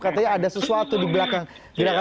katanya ada sesuatu di belakang gerakan